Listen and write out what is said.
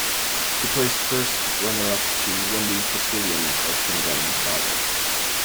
She placed first runner-up to Wendy Fitzwilliam of Trinidad and Tobago.